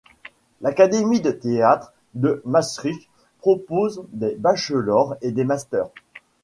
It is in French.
L'Académie de théâtre de Maastricht propose des bachelors et des masters.